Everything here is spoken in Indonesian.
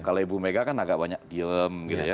kalau ibu mega kan agak banyak diem gitu ya